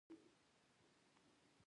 رسوب د افغانستان د طبیعي پدیدو یو رنګ دی.